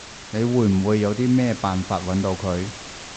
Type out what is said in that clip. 你會唔會有啲咩辦法搵到佢？